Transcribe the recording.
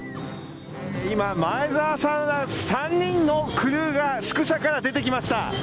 今、前澤さんら、３人のクルーが宿舎から出てきました。